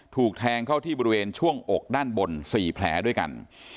ถูกแทงเข้าที่บริเวณช่วงอกด้านบน๔แผลด้วยกัน